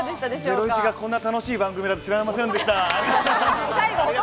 『ゼロイチ』がこんなに楽しい番組だと知りませんでした。